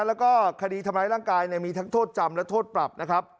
แล้วก็คดีทำร้ายร่างกายมีทั้งโทษจำและโทษปรับนะครับ